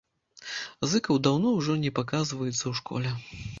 Зыкаў даўно ўжо не паказваецца ў школе.